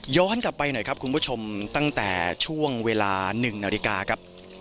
กลับไปหน่อยครับคุณผู้ชมตั้งแต่ช่วงเวลา๑นาฬิกาครับ